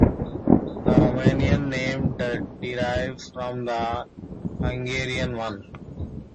The Romanian name derives from the Hungarian one.